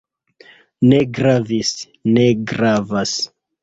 Ne gravis. Ne gravas.